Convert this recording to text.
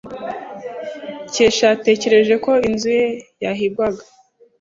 Kesha yatekereje ko inzu ye yahigwaga.